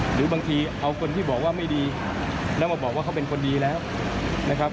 หรือบางทีเอาคนที่บอกว่าไม่ดีแล้วมาบอกว่าเขาเป็นคนดีแล้วนะครับ